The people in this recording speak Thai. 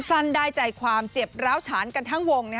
สั้นได้ใจความเจ็บร้าวฉานกันทั้งวง